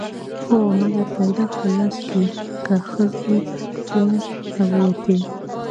هو! مګر بيرغ په لاس که ښځې بيا راووتې